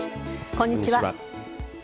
こんにちは。